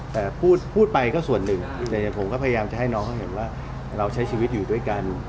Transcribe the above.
แต่พูดไปก็ส่วนหนึ่งแต่อย่างผมก็พยายามจะให้น้องเขาเห็นว่าเราใช้ชีวิตอยู่ด้วยกัน